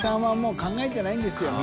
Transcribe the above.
考えてないですよね。